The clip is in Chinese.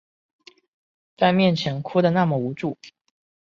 在面前哭的那么无助